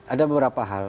ada beberapa hal